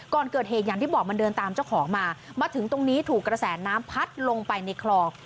ก่อนเกิดเหตุอย่างที่บอกมันเดินตามเจ้าของมามาถึงตรงนี้ถูกกระแสน้ำพัดลงไปในคลอง